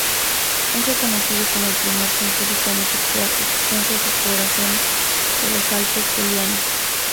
Es reconocido como el primer científico en efectuar extensas exploraciones de los Alpes Julianos.